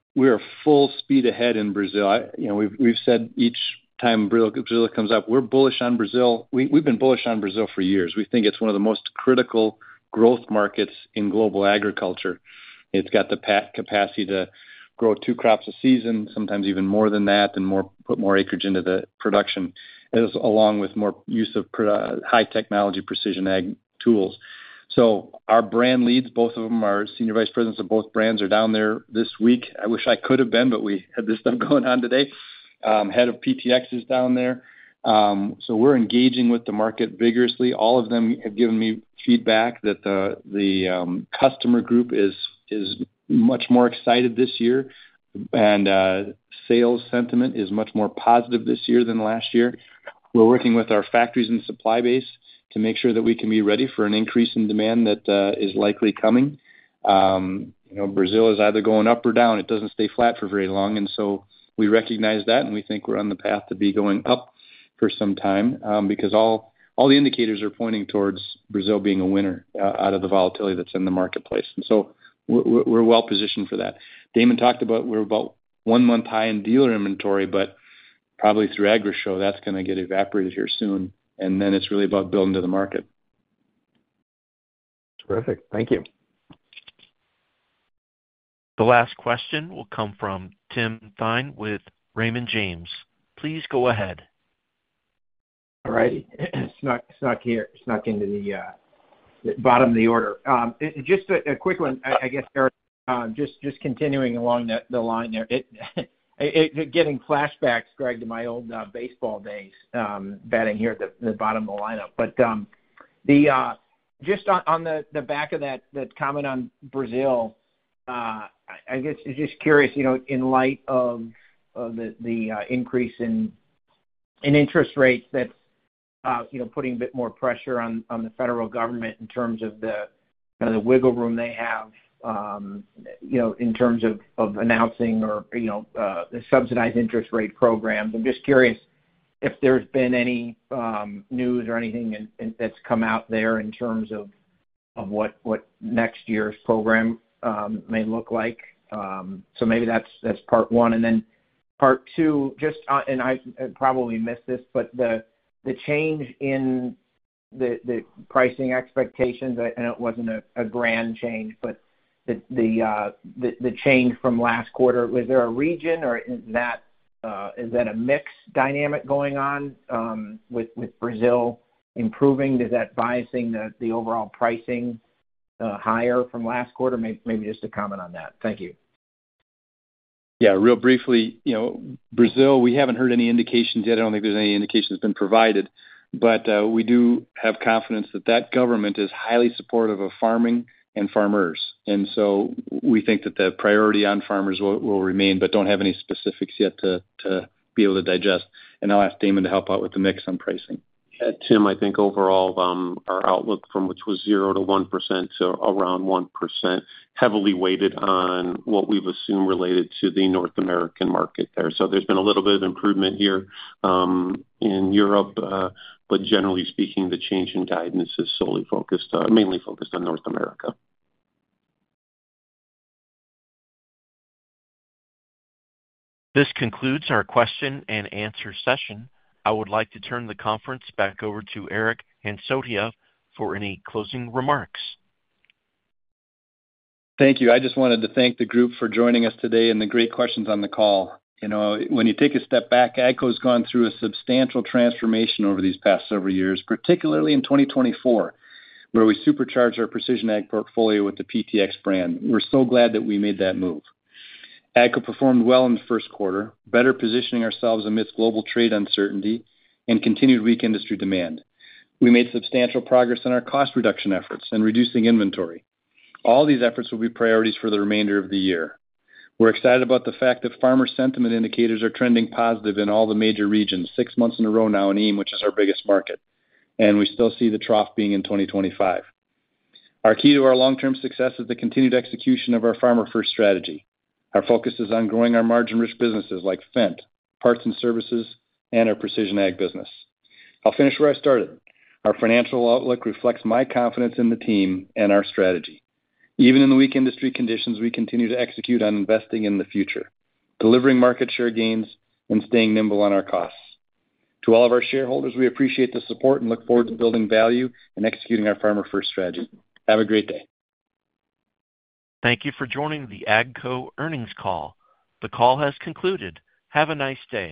full speed ahead in Brazil. We've said each time Brazil comes up, we're bullish on Brazil. We've been bullish on Brazil for years. We think it's one of the most critical growth markets in global agriculture. It's got the capacity to grow two crops a season, sometimes even more than that, and put more acreage into the production along with more use of high-technology Precision Ag tools. Our brand leads, both of them, our Senior Vice Presidents of both brands are down there this week. I wish I could have been, but we had this stuff going on today. Head of PTx is down there. We are engaging with the market vigorously. All of them have given me feedback that the customer group is much more excited this year, and sales sentiment is much more positive this year than last year. We are working with our factories and supply base to make sure that we can be ready for an increase in demand that is likely coming. Brazil is either going up or down. It does not stay flat for very long. We recognize that, and we think we are on the path to be going up for some time because all the indicators are pointing towards Brazil being a winner out of the volatility that is in the marketplace. We are well-positioned for that. Damon talked about we're about one-month high in dealer inventory, but probably through Agrishow, that's going to get evaporated here soon. Then it's really about building to the market. Terrific. Thank you. The last question will come from Tim Thein with Raymond James. Please go ahead. All righty. Snuck into the bottom of the order. Just a quick one, I guess, Eric, just continuing along the line there. Getting flashbacks, Greg, to my old baseball days batting here at the bottom of the lineup. Just on the back of that comment on Brazil, I guess I'm just curious, in light of the increase in interest rates that's putting a bit more pressure on the federal government in terms of the wiggle room they have in terms of announcing or the subsidized interest rate programs, I'm just curious if there's been any news or anything that's come out there in terms of what next year's program may look like. Maybe that's part one. Then part two, and I probably missed this, but the change in the pricing expectations, and it wasn't a grand change, but the change from last quarter, was there a region, or is that a mixed dynamic going on with Brazil improving? Does that bias the overall pricing higher from last quarter? Maybe just a comment on that. Thank you. Yeah. Real briefly, Brazil, we have not heard any indications yet. I do not think there are any indications been provided. We do have confidence that that government is highly supportive of farming and farmers. We think that the priority on farmers will remain, but do not have any specifics yet to be able to digest. I will ask Damon to help out with the mix on pricing. Tim, I think overall our outlook from which was 0-1% to around 1%, heavily weighted on what we have assumed related to the North American market there. There has been a little bit of improvement here in Europe. Generally speaking, the change in guidance is mainly focused on North America. This concludes our question-and-answer session. I would like to turn the conference back over to Eric Hansotia for any closing remarks. Thank you. I just wanted to thank the group for joining us today and the great questions on the call. When you take a step back, AGCO has gone through a substantial transformation over these past several years, particularly in 2024, where we supercharged our Precision Ag portfolio with the PTx brand. We're so glad that we made that move. AGCO performed well in the first quarter, better positioning ourselves amidst global trade uncertainty and continued weak industry demand. We made substantial progress in our cost reduction efforts and reducing inventory. All these efforts will be priorities for the remainder of the year. We're excited about the fact that farmer sentiment indicators are trending positive in all the major regions six months in a row now in EAME, which is our biggest market. We still see the trough being in 2025. Our key to our long-term success is the continued execution of our farmer-first strategy. Our focus is on growing our margin-rich businesses like Fendt, parts and services, and our Precision Ag business. I'll finish where I started. Our financial outlook reflects my confidence in the team and our strategy. Even in the weak industry conditions, we continue to execute on investing in the future, delivering market share gains, and staying nimble on our costs. To all of our shareholders, we appreciate the support and look forward to building value and executing our farmer-first strategy. Have a great day. Thank you for joining the AGCO earnings call. The call has concluded. Have a nice day.